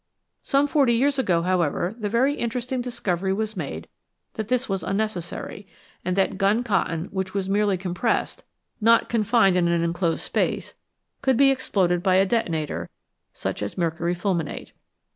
Some forty years ago, however, the very interesting discovery was made that this was unnecessary, and that gun cotton which was merely compressed, not confined in an enclosed space, could be exploded by a detonator, such as mercury fulminate.